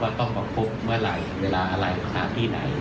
ต้องมาพบเมื่อไหร่เวลาอะไรสถานที่ไหน